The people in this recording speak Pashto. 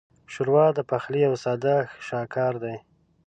ښوروا د پخلي یو ساده شاهکار دی.